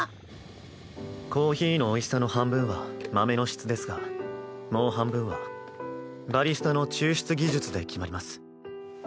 コーヒーのおいしさの半分は豆の質ですがもう半分はバリスタの抽出技術で決まります。